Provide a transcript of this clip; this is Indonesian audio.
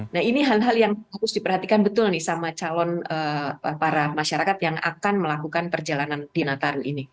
nah ini hal hal yang harus diperhatikan betul nih sama calon para masyarakat yang akan melakukan perjalanan di nataru ini